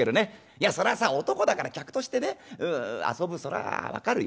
いやそりゃさ男だから客としてね遊ぶそら分かるよ。